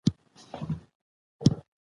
که پښتو قوي وي، نو کلتوري نمونه ژوندۍ وي.